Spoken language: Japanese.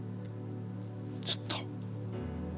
ずっと。